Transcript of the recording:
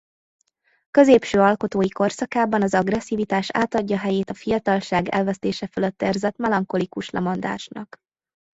Középső alkotói korszakában az agresszivitás átadja helyét a fiatalság elvesztése fölött érzett melankolikus lemondásnak.